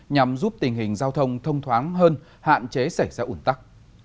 nhằm giúp tình hình giao thông thông thoáng hơn hạn chế xảy ra ủn tắc